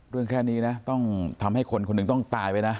แค่นี้นะต้องทำให้คนคนหนึ่งต้องตายไปนะ